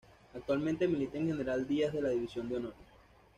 Actualmente milita en General Díaz de la División de Honor.